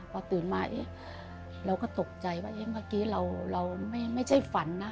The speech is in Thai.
พอตื่นมาเราก็ตกใจว่าเมื่อกี้เราไม่ใช่ฝันนะ